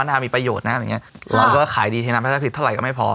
มันน่ามีประโยชน์นะเราก็ขายดีเท่านั้นถ้าผิดเท่าไหร่ก็ไม่พอ